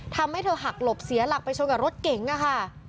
ทำให้เธอหักหลบเสียหลักไปชนกับรถเก๋งค่ะ